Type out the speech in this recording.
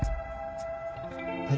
はい。